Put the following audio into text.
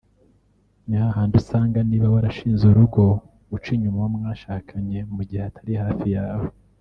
ni hahandi usanga niba warashinze urugo uca inyuma uwo mwashakanye mu gihe atari hafi yawe